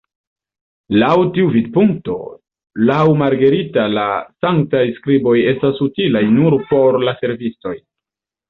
Laŭ tiu vidpunkto, laŭ Margarita la Sanktaj Skriboj estas utilaj nur por la servistoj.